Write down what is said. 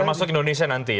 termasuk indonesia nanti ya